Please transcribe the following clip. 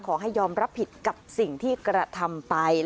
ขอให้ยอมรับผิดกับสิ่งที่กระทำไป